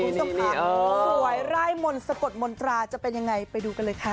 คุณผู้ชมค่ะสวยร่ายมนต์สะกดมนตราจะเป็นยังไงไปดูกันเลยค่ะ